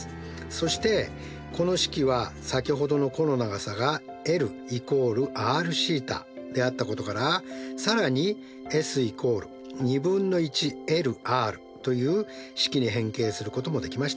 そしてこの式は先ほどの弧の長さがｌ＝ｒθであったことから更にＳ＝２分の１ｌｒという式に変形することもできましたよね。